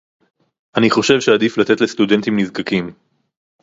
אני חושב שעדיף לתת לסטודנטים נזקקים